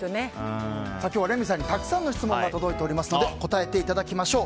今日はレミさんにたくさんの質問が届いていますので答えていただきましょう。